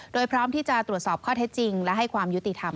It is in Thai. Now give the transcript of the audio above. โดยพร้อมที่จะตรวจสอบข้อเท็จจริงและให้ความยุติธรรม